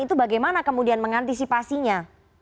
itu bagaimana kemudian mengantisipasinya